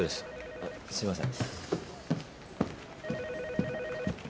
あっすいません。